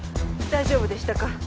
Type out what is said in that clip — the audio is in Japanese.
大丈夫でしたか？